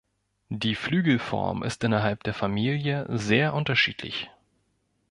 Die Flügelform ist innerhalb der Familie sehr unterschiedlich.